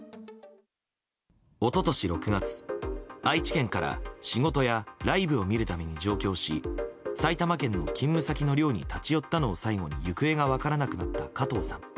一昨年６月、愛知県から仕事やライブを見るために上京し埼玉県の勤務先の寮に立ち寄ったのを最後に行方が分からなくなった加藤さん。